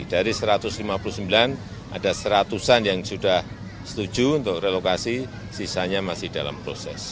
dari satu ratus lima puluh sembilan ada seratusan yang sudah setuju untuk relokasi sisanya masih dalam proses